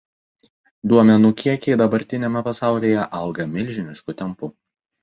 Duomenų kiekiai dabartiniame pasaulyje auga milžinišku tempu.